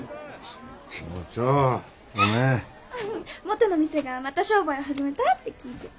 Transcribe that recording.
元の店がまた商売を始めたって聞いて。